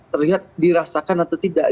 terlihat dirasakan atau tidak